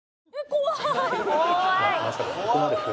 「怖い」